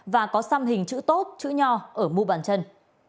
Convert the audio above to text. và có xăm hình chữ tốt chữ nhò ở mù bàn chân